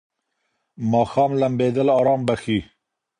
ماښام لمبېدل آرام بخښي.